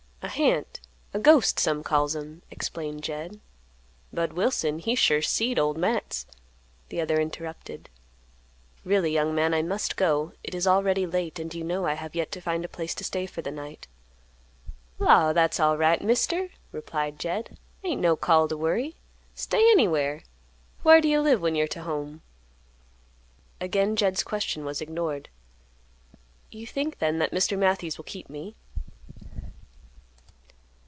"A hant, a ghost, some calls 'em," explained Jed. "Bud Wilson he sure seed old Matt's—" The other interrupted. "Really, young man, I must go. It is already late, and you know I have yet to find a place to stay for the night." "Law, that's alright, Mister!" replied Jed. "Ain't no call t' worry. Stay anywhere. Whar do you live when you're to home?" Again Jed's question was ignored. "You think then that Mr. Matthews will keep me?"